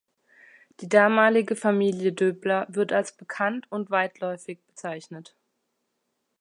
Die damalige Familie Döbler wird als bekannt und weitläufig bezeichnet.